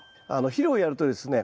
肥料をやるとですね